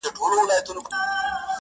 بېهدفي ژوند انسان له پرمختګه لرې ساتي.